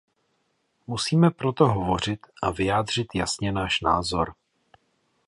Musíme proto hovořit a vyjádřit jasně náš názor.